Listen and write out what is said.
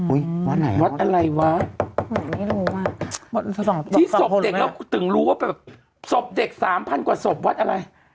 อุ๊ยวัดไหนวัดอะไรวะที่ศพเด็กแล้วถึงรู้ว่าแบบศพเด็ก๓พันธุ์กว่าศพวัดอะไร